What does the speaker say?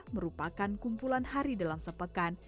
merupakan kumpulan hari dalam sepekan